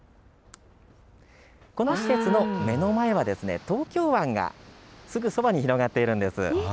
この施設の目の前は東京湾がすぐそばに広がっているんです。